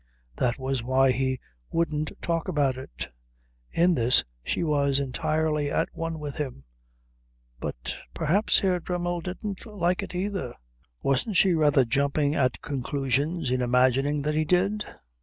That was why he wouldn't talk about it. In this she was entirely at one with him. But perhaps Herr Dremmel didn't like it, either. Wasn't she rather jumping at conclusions in imagining that he did?